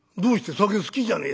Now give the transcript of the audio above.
酒好きじゃねえ」。